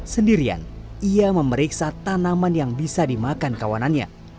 sendirian ia memeriksa tanaman yang bisa dimakan kawanannya